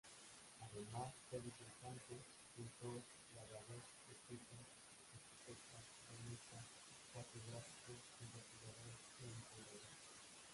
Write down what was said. Además fue dibujante, pintor, grabador, escritor, arquitecto, cronista, catedrático, investigador y restaurador.